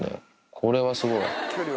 これはすごい。